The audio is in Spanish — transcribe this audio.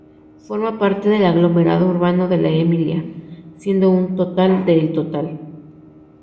Forma parte del aglomerado urbano de La Emilia, siendo un total de el total.